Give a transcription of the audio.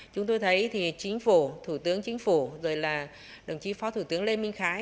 chúng tôi thấy thì chính phủ thủ tướng chính phủ rồi là đồng chí phó thủ tướng lê minh khái